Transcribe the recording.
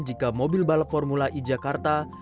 jika mobil balap formula e jakarta